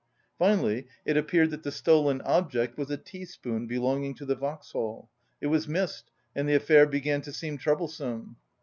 Finally it appeared that the stolen object was a teaspoon belonging to the Vauxhall. It was missed and the affair began to seem troublesome.